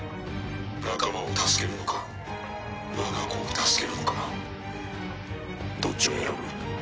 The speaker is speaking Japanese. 仲間を助けるのかわが子を助けるのかどっちを選ぶ？